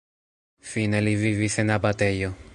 Fine li vivis en abatejo.